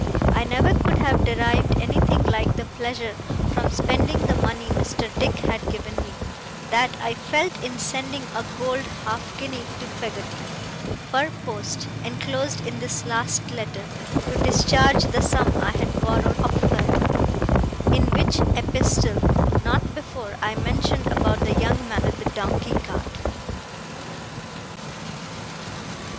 I never could have derived anything like the pleasure from spending the money Mr. Dick had given me, that I felt in sending a gold half guinea to Peggotty, per post, enclosed in this last letter, to discharge the sum I had borrowed of her: in which epistle, not before, I mentioned about the young man with the donkey cart.